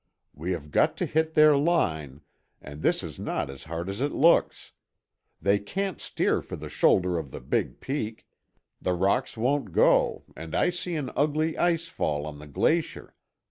We have got to hit their line and this is not as hard as it looks. They can't steer for the shoulder of the big peak; the rocks won't go and I see an ugly ice fall on the glacier.